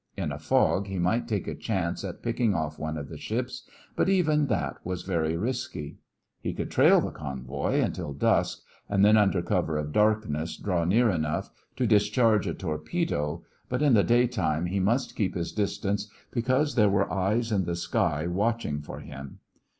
In a fog he might take a chance at picking off one of the ships, but even that was very risky. He could trail the convoy until dusk and then under cover of darkness draw near enough to discharge a torpedo, but in the daytime he must keep his distance because there were eyes in the sky watching for him.